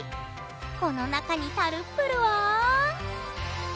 この中にタルップルは。